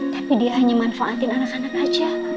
tapi dia hanya manfaatin anak anak saja